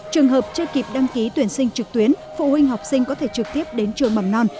trường hợp chưa kịp đăng ký tuyển sinh trực tuyến phụ huynh học sinh có thể trực tiếp đến trường mầm non